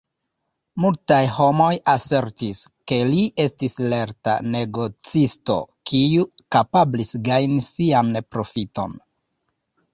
Multaj homoj asertis, ke li estis lerta negocisto, kiu kapablis gajni sian profiton.